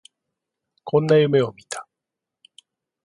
こんな夢を見た